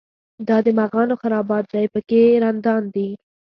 دا د مغانو خرابات دی په کې رندان دي.